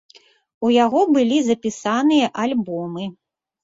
У яго былі запісаныя альбомы.